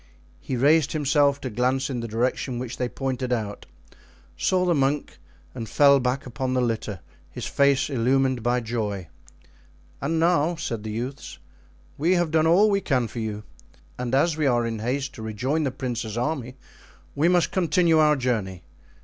He raised himself to glance in the direction which they pointed out, saw the monk, and fell back upon the litter, his face illumined by joy. "And now," said the youths, "we have done all we can for you; and as we are in haste to rejoin the prince's army we must continue our journey.